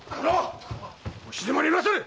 お静まりなされ！